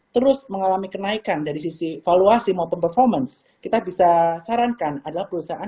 terus mengalami kenaikan dari sisi valuasi maupun performance kita bisa sarankan adalah perusahaan